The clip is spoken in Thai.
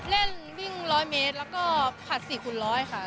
เล่นวิ่ง๑๐๐เมตรแล้วก็ผัด๔คูณร้อยค่ะ